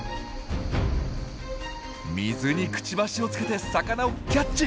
水にクチバシをつけて魚をキャッチ！